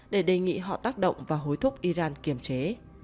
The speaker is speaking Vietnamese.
để đề nghị họ tác động và hối thúc iran kiềm chế